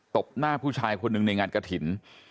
บหน้าผู้ชายคนหนึ่งในงานกระถิ่น